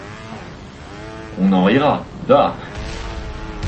On en rira, dà!